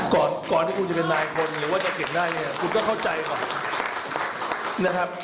ก่อนที่คุณจะเป็นนายคนหรือว่าจะเก็บได้คุณต้องเข้าใจก่อนนะครับ